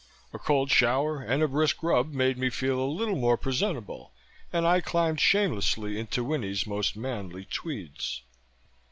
A cold shower and a brisk rub made me feel a little more presentable and I climbed shamelessly into Winnie's most manly tweeds.